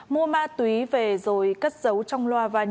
mua ma túy về rồi cất dấu trong loa và nhiêu